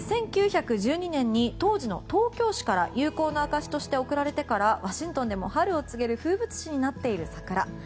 １９１２年に当時の東京市から友好の証しとして贈られてからワシントンでも春を告げる風物詩になっている桜。